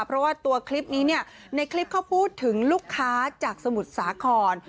เพราะว่าตัวคลิปนี้เนี่ยในคลิปเขาพูดถึงลูกค้าจากสมุทรสาคร